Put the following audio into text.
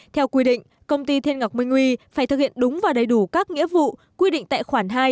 theo quy định công ty thiên ngọc minh huy phải thực hiện đúng và đầy đủ các nghĩa vụ quy định tại khoản hai